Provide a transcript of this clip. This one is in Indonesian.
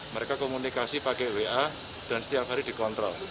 mereka komunikasi pakai wa dan setiap hari dikontrol